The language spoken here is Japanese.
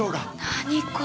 何これ。